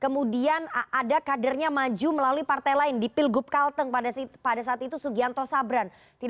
kemudian ada kadernya maju melalui partai lain di pilgub kalteng pada saat itu sugianto sabran